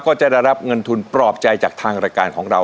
ก็จะได้รับเงินทุนปลอบใจจากทางรายการของเรา